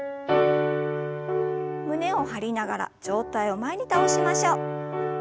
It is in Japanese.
胸を張りながら上体を前に倒しましょう。